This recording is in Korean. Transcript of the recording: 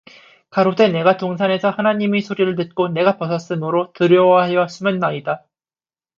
가로되 내가 동산에서 하나님의 소리를 듣고 내가 벗었으므로 두려워하여 숨었나이다